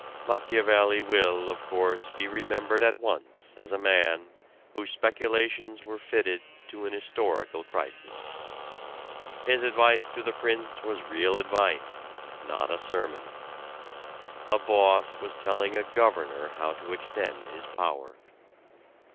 Machiavelli will, of course, be remembered at once as a man, whose speculations were fitted to an historical crisis. His advice to the Prince was real advice, not a sermon. A boss was telling a governor how to extend his power.